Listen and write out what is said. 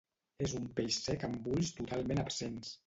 És un peix cec amb ulls totalment absents.